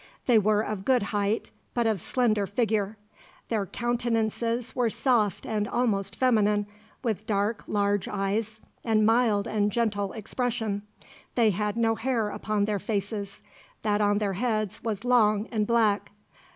They were of good height, but of slender figure. Their countenances were soft and almost feminine, with large dark eyes and mild and gentle expression. They had no hair upon their faces; that on their heads was long and black.